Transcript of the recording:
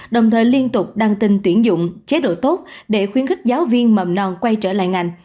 đồng thời liên tục đăng tin tuyển dụng chế độ tốt để khuyến khích giáo viên mầm non quay trở lại ngành